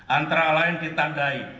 antara lain ditandai